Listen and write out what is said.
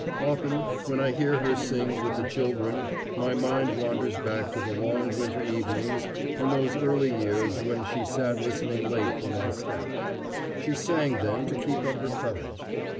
Often when I hear her sing with the children my mind wanders back to the long winter evenings in those early years when she sat listening late for my step. She sang then to keep up her courage.